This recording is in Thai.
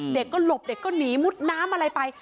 เด็กก็หลบเด็กก็หนีมุดน้ำอะไรไป